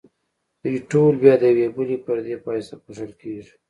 دوی ټول بیا د یوې بلې پردې په واسطه پوښل کیږي.